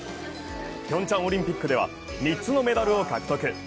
ピョンチャンオリンピックでは３つのメダルを獲得